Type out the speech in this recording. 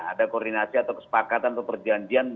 ada koordinasi atau kesepakatan atau perjanjian